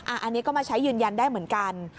อันนี้ก็มาใช้ยืนยันได้เหมือนกัน